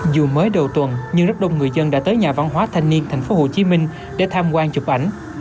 dù mới đầu tuần nhưng rất đông người dân đã tới nhà văn hóa thanh niên tp hcm để tham quan chụp ảnh